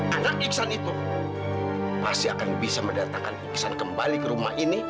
anak iksan itu pasti akan bisa mendatangkan iksan kembali ke rumah ini